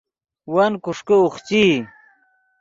ون کوݰکے اوخچئی